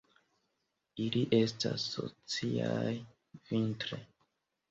Ili estas sociaj vintre.